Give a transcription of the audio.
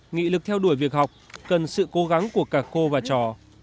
nghị lực theo đuổi việc học cần sự cố gắng của cả cô và trò